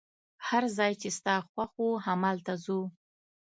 هر ځای چي ستا خوښ وو، همالته ځو.